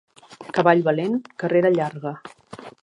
Cavall valent, carrera llarga.